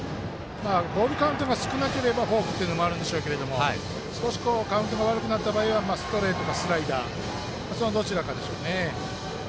ボールカウント少なければフォークというのもあるんでしょうけど少しカウントが悪くなった場合はストレートかスライダーそのどちらかでしょうね。